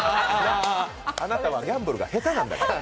あなたはギャンブルが下手なんだから。